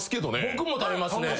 僕も食べますね。